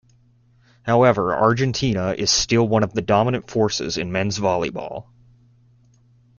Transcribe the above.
However, Argentina is still one of the dominant forces in Men's volleyball.